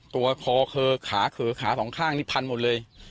ตัวควาเคอขาสองข้างถันหมดเลย